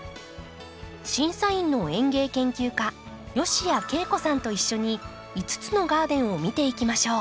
審査員の園芸研究家吉谷桂子さんと一緒に５つのガーデンを見ていきましょう。